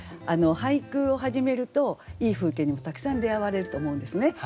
俳句を始めるといい風景にたくさん出会われると思うんですね。